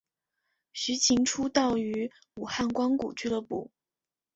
徐擎出道于武汉光谷俱乐部。